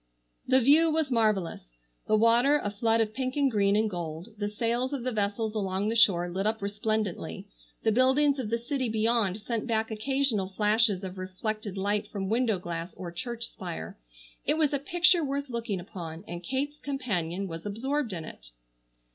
The view was marvellous. The water a flood of pink and green and gold; the sails of the vessels along the shore lit up resplendently; the buildings of the city beyond sent back occasional flashes of reflected light from window glass or church spire. It was a picture worth looking upon, and Kate's companion was absorbed in it.